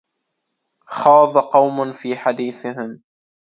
خاض قوم في حديثهم